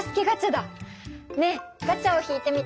ねえガチャを引いてみて。